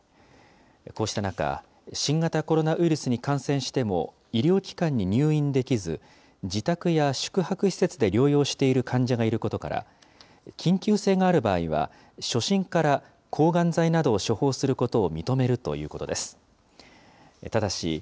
こうした中、新型コロナウイルスに感染しても、医療機関に入院できず、自宅や宿泊施設で療養している患者がいることから、緊急性がある場合は、初診から抗がん剤などを処方することを認めるということです。